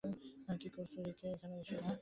কী করছো, রিকা?